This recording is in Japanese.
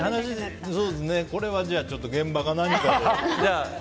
これは現場か何かで。